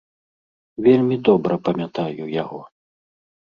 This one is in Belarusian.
Вельмі добра памятаю яго.